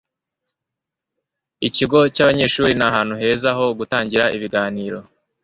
ikigo cyabanyeshuri ni ahantu heza ho gutangirira ibiganiro